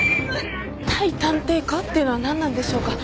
対探偵課っていうのは何なんでしょうか？